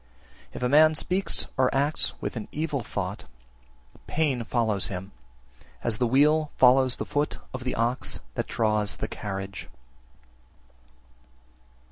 If a man speaks or acts with an evil thought, pain follows him, as the wheel follows the foot of the ox that draws the carriage.